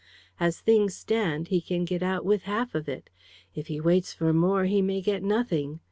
As things stand, he can get out with half of it. If he waits for more, he may get nothing.